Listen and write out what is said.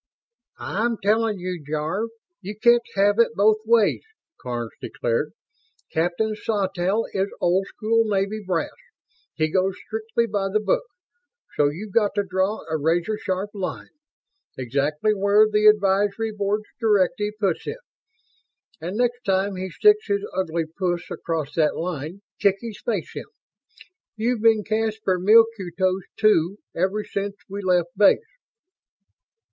"I'm telling you, Jarve, you can't have it both ways," Karns declared. "Captain Sawtelle is old school Navy brass. He goes strictly by the book. So you've got to draw a razor sharp line; exactly where the Advisory Board's directive puts it. And next time he sticks his ugly puss across that line, kick his face in. You've been Caspar Milquetoast Two ever since we left Base."